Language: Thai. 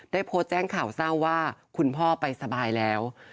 โพสต์แจ้งข่าวเศร้าว่าคุณพ่อไปสบายแล้ว